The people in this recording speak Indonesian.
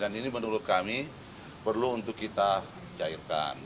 dan ini menurut kami perlu untuk kita cairkan